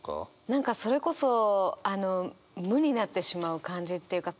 何かそれこそあの無になってしまう感じっていうか